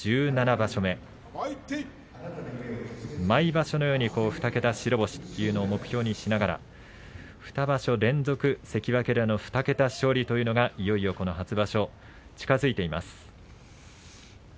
毎場所のように２桁白星というのを目標にしながら２場所連続関脇での２桁勝利というのがいよいよこの初場所で近づいています。